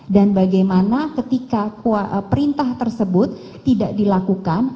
dan bagaimana ketika perintah tersebut tidak dilakukan